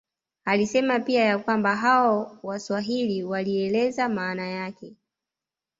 Alisema pia ya kwamba hao Waswahili walieleza maana yake